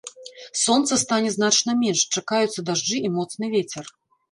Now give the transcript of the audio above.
Сонца стане значна менш, чакаюцца дажджы і моцны вецер.